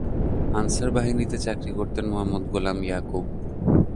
Answer বাহিনীতে চাকরি করতেন মোহাম্মদ গোলাম ইয়াকুব।